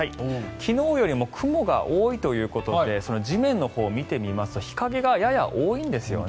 昨日よりも雲が多いということで地面のほうを見てみますと日影がやや多いんですね。